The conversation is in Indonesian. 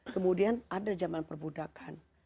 kemudian ada jaman perbudakan